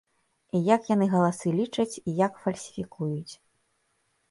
І як яны галасы лічаць, і як фальсіфікуюць.